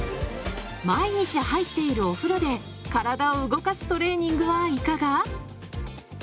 毎日入っているお風呂で体を動かすトレーニングはいかが？